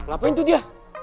apa itu dia